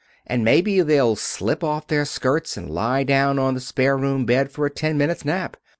And maybe they'll slip off their skirts and lie down on the spare room bed for a ten minutes' nap.